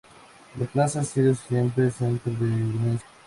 La plaza ha sido siempre el centro de Venecia.